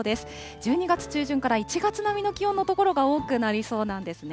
１２月中旬から１月並みの気温の所が多くなりそうなんですね。